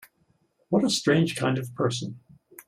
What a strange kind of person!